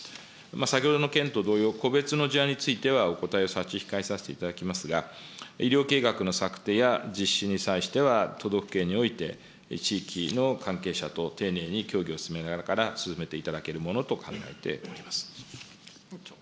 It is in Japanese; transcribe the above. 先ほどの件と同様、個別の事案については、お答えを差し控えさせていただきますが、医療計画の策定や、実施に際しては都道府県において、地域の関係者と丁寧に協議を進めながら進めていただけるものと考えております。